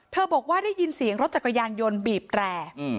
บอกว่าได้ยินเสียงรถจักรยานยนต์บีบแตร